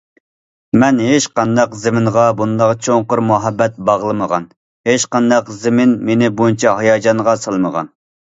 مەن ھېچقانداق زېمىنغا بۇنداق چوڭقۇر مۇھەببەت باغلىمىغان، ھېچقانداق زېمىن مېنى بۇنچە ھاياجانغا سالمىغان.